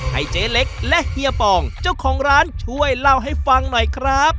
เจ๊เล็กและเฮียปองเจ้าของร้านช่วยเล่าให้ฟังหน่อยครับ